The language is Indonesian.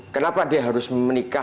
kenapa dia harus menikah